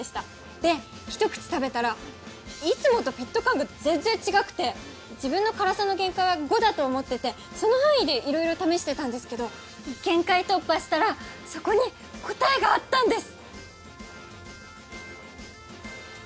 で一口食べたらいつもとフィット感が全然違くて自分の辛さの限界は５だと思っててその範囲でいろいろ試してたんですけど限界突破したらそこに答えがあったんです！